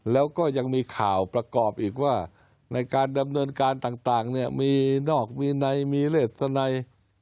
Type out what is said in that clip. แล้วก็ยังมีข่าวประกอบอีกว่าในการดำเนินการต่างเนี่ยมีนอกมีในมีเลสนัย